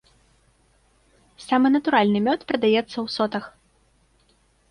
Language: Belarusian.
Самы натуральны мёд прадаецца ў сотах.